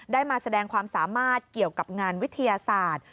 ได้มาแสดงความสามารถเกี่ยวกับงานวิทยาศาสตร์